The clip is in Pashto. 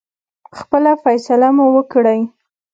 خپله فیصله مو وکړی.